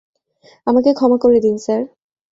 আমাকে ক্ষমা করে দিন, স্যার।